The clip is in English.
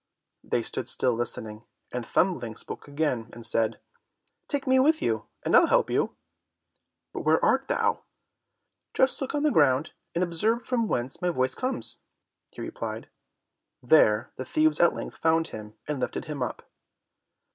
They stood still listening, and Thumbling spoke again, and said, "Take me with you, and I'll help you." "But where art thou?" "Just look on the ground, and observe from whence my voice comes," he replied. There the thieves at length found him, and lifted him up.